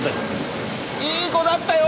いい子だったよ。